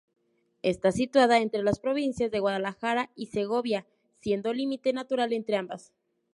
Está situada entre las provincias de Guadalajara y Segovia, siendo límite natural entre ambas.